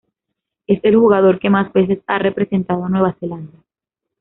Es el jugador que más veces ha representado a Nueva Zelanda.